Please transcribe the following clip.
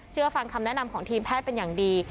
ฟังคำแนะนำของทีมแพทย์เป็นอย่างดี